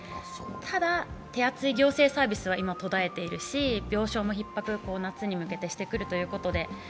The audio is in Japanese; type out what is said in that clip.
ただ、手厚い行政サービスは今、途絶えているし、病床も夏に向けてひっ迫してくるということで。